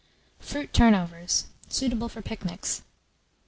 FRUIT TURNOVERS (suitable for Pic Nics).